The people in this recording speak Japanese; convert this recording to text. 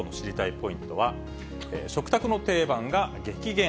ポイントは、食卓の定番が激減。